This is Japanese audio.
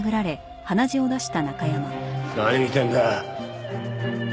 何見てんだよ！